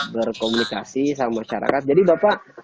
berkomunikasi sama masyarakat jadi bapak